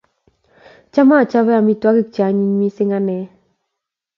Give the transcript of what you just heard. Cham achope amitwogik che anyiny missing' ane